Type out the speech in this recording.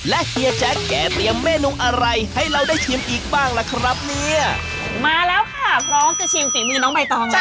แล้วทีนี้เข้าครัวมาอยากให้พี่นุ่มไปชิมจานนี้จานนี้นี่คือเมนูอะไรนะคะพี่แจง